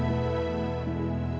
kenapa kamu tidur di sini sayang